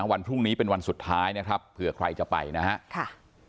วันพรุ่งนี้เป็นวันสุดท้ายนะครับเผื่อใครจะไปนะครับ